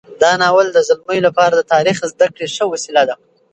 دا ناول د زلمیو لپاره د تاریخ زده کړې ښه وسیله ده.